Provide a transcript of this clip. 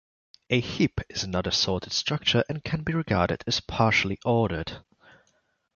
A heap is not a sorted structure and can be regarded as partially ordered.